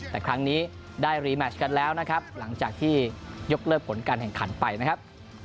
แต่ครั้งนี้ได้รีแมชกันแล้วนะครับหลังจากที่ยกเลิกผลการแข่งขันไปนะครับ